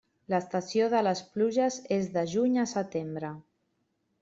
L'estació de les pluges és de juny a setembre.